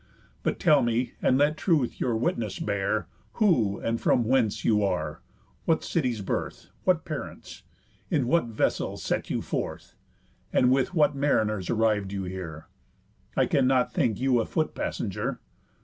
But tell me, and let Truth your witness bear, Who, and from whence you are? What city's birth? What parents? In what vessel set you forth? And with what mariners arriv'd you here? I cannot think you a foot passenger.